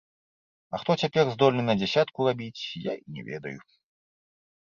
А хто цяпер здольны на дзясятку рабіць, я і не ведаю.